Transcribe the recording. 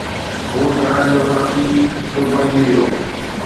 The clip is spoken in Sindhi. هو ڌرڻن جو ساٿي به بڻجي ويو.